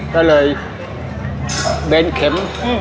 ก็เลยเบนเข็ม